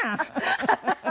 ハハハハ！